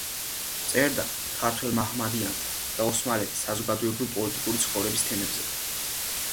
წერდა ქართველ მაჰმადიანთა და ოსმალეთის საზოგადოებრივ-პოლიტიკური ცხოვრების თემებზე.